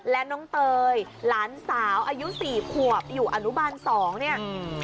และน้องเตยหลานสาวอายุสี่ขวบอยู่อนุบาลสองเนี่ย